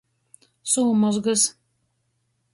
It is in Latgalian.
Sūmozgys.